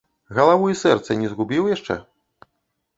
Галаву і сэрца не згубіў яшчэ?